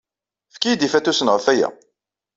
Efk-iyi-d ifatusen ɣef waya.